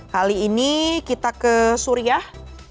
kali ini kita ke suriah